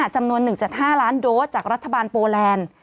จำนวน๑๕ล้านโดสจากรัฐบาลโปแลนด์